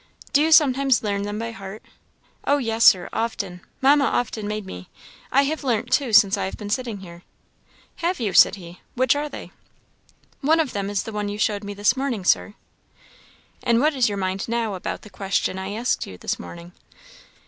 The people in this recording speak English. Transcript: "Do you sometimes learn them by heart?" "Oh yes, Sir, often. Mamma often made me. I have learnt two since I have been sitting here." "Have you?" said he; "which are they?" "One of them is the one you showed me this morning, Sir." "And what is your mind now about the question I asked you this morning?"